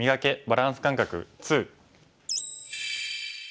バランス感覚２」。